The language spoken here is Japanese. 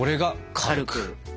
「軽く」。